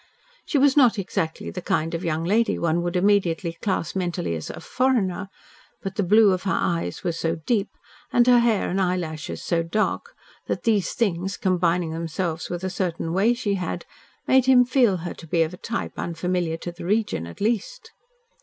She was not exactly the kind of young lady one would immediately class mentally as "a foreigner," but the blue of her eyes was so deep, and her hair and eyelashes so dark, that these things, combining themselves with a certain "way" she had, made him feel her to be of a type unfamiliar to the region, at least.